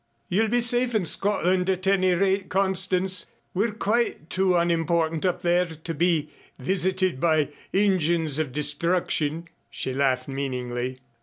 "You'll be safe in Scotland at any rate, Constance. We're quite too unimportant up there to be visited by engines of destruction " she laughed meaningly.